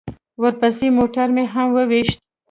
ورپسې موټر مې هم وويشت.